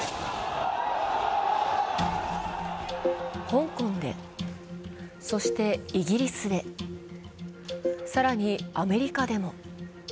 香港で、そしてイギリスで、更にアメリカでも。